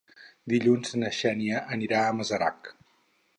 Dilluns na Xènia anirà a Masarac.